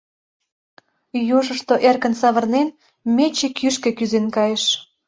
Южышто эркын савырнен, мече кӱшкӧ кӱзен кайыш.